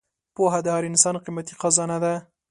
پوهه د هر انسان قیمتي خزانه ده.